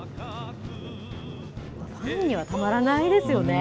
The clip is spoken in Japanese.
ファンにはたまらないですよね。